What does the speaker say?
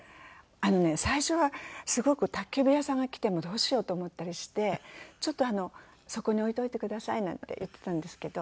あのね最初はすごく宅急便屋さんが来てもどうしようと思ったりしてちょっとそこに置いといてくださいなんて言っていたんですけど。